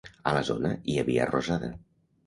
A la zona hi havia rosada.